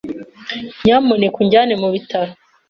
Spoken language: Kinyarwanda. Nyamuneka unjyane mu bitaro.